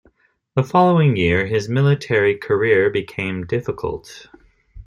The following year his military career became difficult.